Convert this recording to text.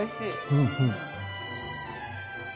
うんうん！